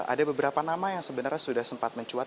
ada beberapa nama yang sebenarnya sudah sempat mencuat